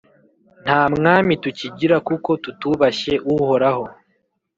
Nta mwami tukigira kuko tutubashye Uhoraho.